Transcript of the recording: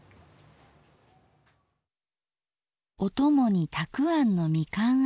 おともにたくあんのみかんあえ。